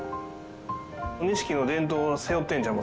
錦の伝統を背負ってるんちゃいますか。